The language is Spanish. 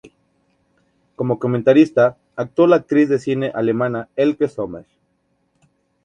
Como comentarista, actuó la actriz de cine alemana Elke Sommer.